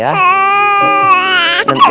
udah udah jangan nangis ya